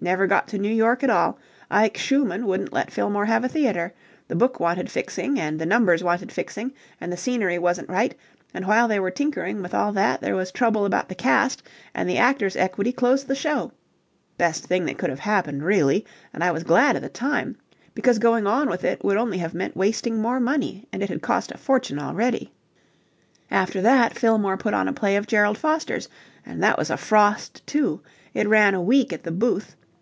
Never got to New York at all. Ike Schumann wouldn't let Fillmore have a theatre. The book wanted fixing and the numbers wanted fixing and the scenery wasn't right: and while they were tinkering with all that there was trouble about the cast and the Actors Equity closed the show. Best thing that could have happened, really, and I was glad at the time, because going on with it would only have meant wasting more money, and it had cost a fortune already. After that Fillmore put on a play of Gerald Foster's and that was a frost, too. It ran a week at the Booth.